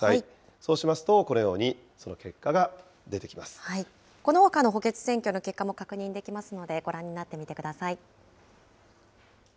そうしますとこのようにその結果このほかの補欠選挙の結果も確認できますので、ご覧になってみてください。